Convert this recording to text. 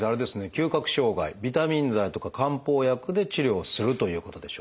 嗅覚障害ビタミン剤とか漢方薬で治療をするということでしょうか？